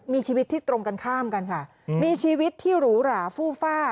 มีชีวิตที่ตรงกันข้ามกันค่ะมีชีวิตที่หรูหราฟูฟ่า